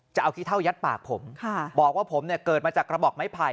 จะเอาขี้เท่ายัดปากผมบอกว่าผมเนี่ยเกิดมาจากกระบอกไม้ไผ่